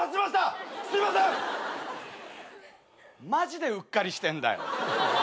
マジでうっかりしてんだよ。